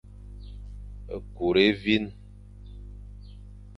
Kur évîn.